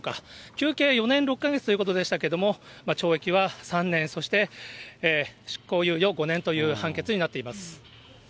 求刑４年６か月ということでしたけども、懲役は３年、そして、執行猶予５年という判決になっています。